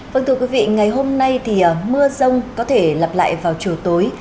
vâng thưa quý vị ngày hôm nay thì mưa rông có thể lặp lại vào chiều tối